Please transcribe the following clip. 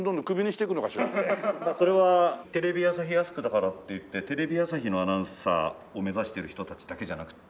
それはテレビ朝日アスクだからっていってテレビ朝日のアナウンサーを目指してる人たちだけじゃなくって。